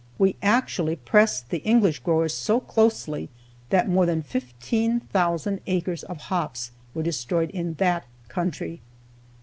We actually pressed the English growers so closely that more than fifteen thousand acres of hops were destroyed in that country.